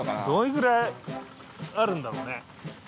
どれぐらいあるんだろうね？